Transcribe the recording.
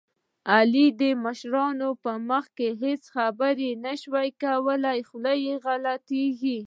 علي د مشرانو په مخ کې هېڅ خبرې نه شي کولی، خوله یې غلطېږي.